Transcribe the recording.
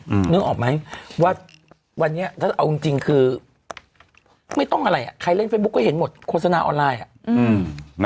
นึกออกไหมว่าวันนี้ถ้าเอาจริงจริงคือไม่ต้องอะไรอ่ะใครเล่นเฟซบุ๊คก็เห็นหมดโฆษณาออนไลน์อ่ะอืม